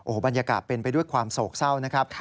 บรรยากาศเป็นไปด้วยความโศกเศร้านะครับ